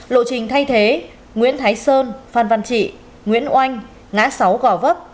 lộ trình thay thế nguyễn thái sơn phan văn trị nguyễn oanh ngã sáu gò vấp